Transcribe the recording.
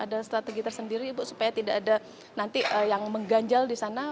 ada strategi tersendiri ibu supaya tidak ada nanti yang mengganjal di sana